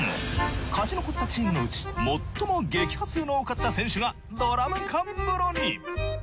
勝ち残ったチームのうち最も撃破数の多かった選手がドラム缶風呂に。